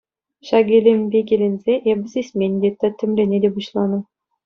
Ҫак илемпе киленсе эпӗ сисмен те — тӗттӗмлене те пуҫланӑ.